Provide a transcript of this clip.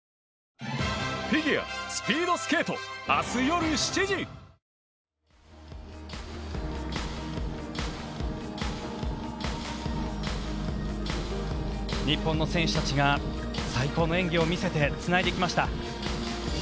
日本の選手たちが最高の演技を見せてつないできました。